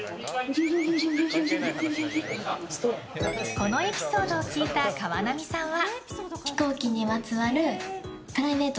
このエピソードを聞いた川波さんは。